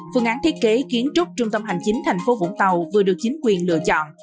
phương án thiết kế kiến trúc trung tâm hành chính tp vũng tàu vừa được chính quyền lựa chọn